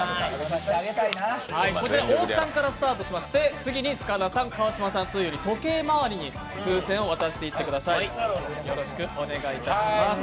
こちら大木さんからスタートしまして深田さんと時計回りに風船を渡していってください。